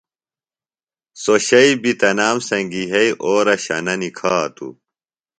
سوۡ شئیۡ بیۡ تنام سنگیۡ یھئی اورہ شنہ نِکھاتوۡ